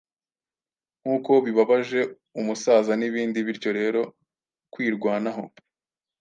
Nkuko bibabaje umusazanibindi bityo rero kwirwanaho